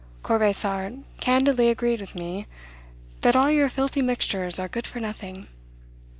Corvisart candidly agreed with me, that all your filthy mixtures are good for nothing.